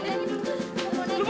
yokongan cungcang kecua cungcang tu